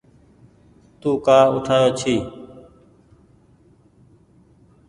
تو تونٚ ڪآ اُٺآيو ڇي